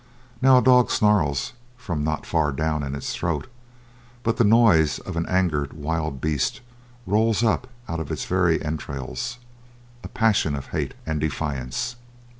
Now, a dog snarls from not far down in its throat, but the noise of an angered wild beast rolls up out of its very entrails a passion of hate and defiance.